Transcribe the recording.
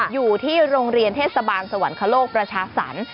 อยู่ที่โรงเรียนเทศบาลสวรรคโลกประชาสรรค์